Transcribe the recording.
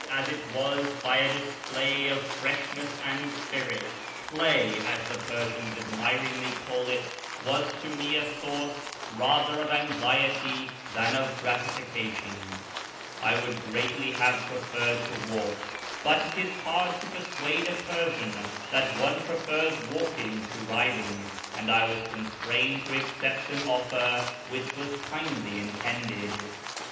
2So A YEAR AMONGST THE PERSIANS as it was by a display of freshness and spirit (" play," as the Persians admiringly call it), M'as to me a source rather ol' anxiety than of gratification. I would greatly have prel'erred to walk, but it is hard to persuade a l*ersian that one prefers walking to riding, and I was constrained to accept an offer which was kindly intended.